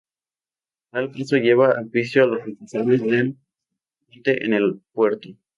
Tal caso llevó a juicio a los responsables del Puente en el Puerto.